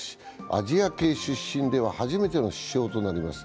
アジア系出身では初めての首相となります。